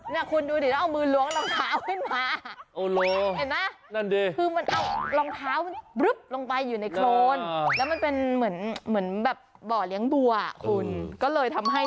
นี่คุณดูดิแล้วเอามือลวงหลองเท้าให้มา